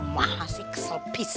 mahasih kesel pisah